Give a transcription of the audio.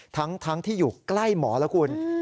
ทั้งที่อยู่ใกล้หมอแล้วคุณ